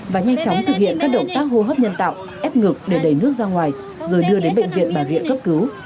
và nhanh chóng thực hiện các động tác hô hấp nhân tạo ép ngực để đẩy nước ra ngoài rồi đưa đến bệnh viện bà rịa cấp cứu